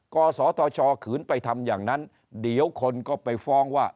กศธชขืนไปทำอย่างนั้นเดี๋ยวคนก็ไปฟ้องว่า